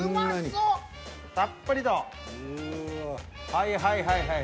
はいはいはいはい。